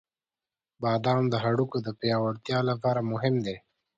• بادام د هډوکو د پیاوړتیا لپاره مهم دی.